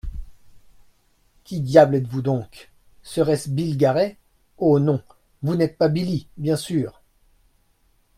Qui diable êtes-vous donc ! Serait-ce Bill Garey ? Oh ! non, vous n'êtes pas Billye, bien sûr.